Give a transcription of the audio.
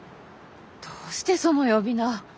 どうしてその呼び名。